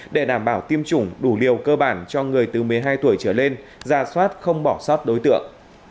để đảm bảo tiêm chủng đủ liều cơ bản cho người từ một mươi hai tuổi trở lên giả soát không bỏ sót đối tượng